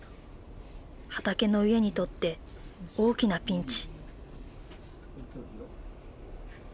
はたけのいえにとって大きなピンチ。